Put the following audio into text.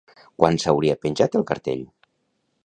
Quan s'hauria penjat el cartell?